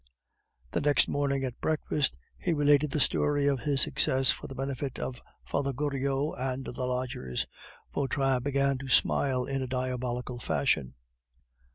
The next morning, at breakfast, he related the story of his success for the benefit of Father Goriot and the lodgers. Vautrin began to smile in a diabolical fashion.